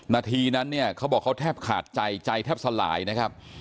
นาทีนั้นเนี่ยเขาบอกเขาแทบขาดใจใจแทบสลายนะครับ